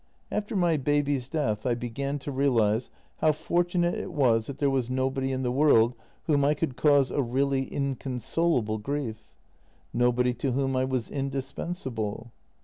" After my baby's death I began to realize how fortunate it was that there was nobody in the world whom I could cause a really inconsolable grief — nobody to whom I was indispens able.